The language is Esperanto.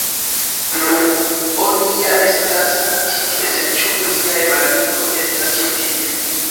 Nu.. Oni ja estas ĉi tie sed ĉu miaj malamikoj estas ĉi tie?